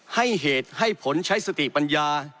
ให้เหตุให้ผลใช้สติปัญญา